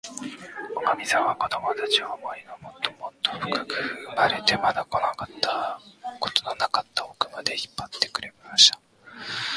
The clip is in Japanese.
おかみさんは、こどもたちを、森のもっともっとふかく、生まれてまだ来たことのなかったおくまで、引っぱって行きました。